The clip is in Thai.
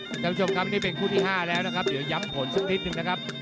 คุณผู้ชมครับนี่เป็นคู่ที่๕แล้วนะครับเดี๋ยวย้ำผลสักนิดนึงนะครับ